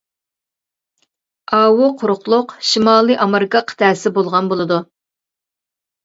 ئاۋۇ قۇرۇقلۇق شىمالى ئامېرىكا قىتئەسى بولغان بولىدۇ.